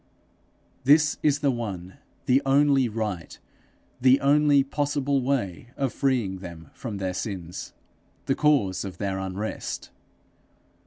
This is the one, the only right, the only possible way of freeing them from their sins, the cause of their unrest.